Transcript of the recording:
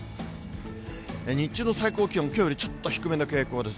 日中の最高気温、きょうよりちょっと低めの傾向です。